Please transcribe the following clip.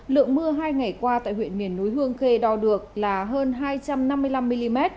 lượng mưa hai ngày qua tại huyện miền núi hương khê đo được là hơn hai trăm năm mươi năm mm